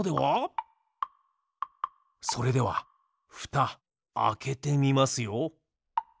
それではふたあけてみますよ。